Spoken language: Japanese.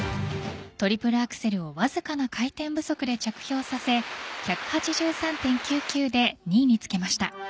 トリプルアクセルをわずかな回転不足で着氷させ１８３．９９で２位につけました。